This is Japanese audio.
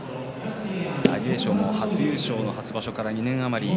大栄翔も初優勝の場所から２年余り。